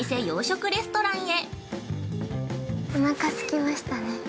◆おなかすきましたね。